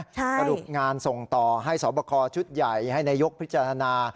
สรุปงานส่งต่อให้สอบคอชุดใหญ่ให้นายกพิจารณา